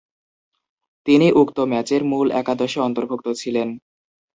তিনি উক্ত ম্যাচের মূল একাদশে অন্তর্ভুক্ত ছিলেন।